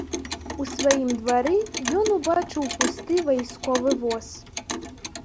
У сваім двары ён убачыў пусты вайсковы воз.